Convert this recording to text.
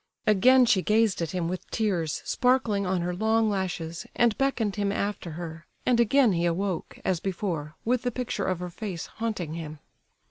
Again she gazed at him with tears sparkling on her long lashes, and beckoned him after her; and again he awoke, as before, with the picture of her face haunting him.